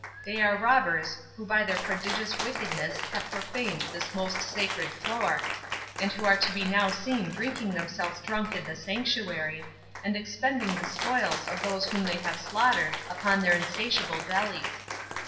They are robbers, who by their prodigious wickedness have profaned this most sacred floor, and who are to be now seen drinking themselves drunk in the sanctuary, and expending the spoils of those whom they have slaughtered upon their unsatiable bellies.